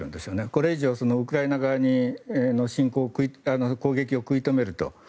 これ以上、ウクライナ側の攻撃を食い止めると。